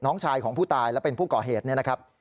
น้องชายของผู้ตายและเป็นผู้ก่อเหตุเนี่ยนะครับ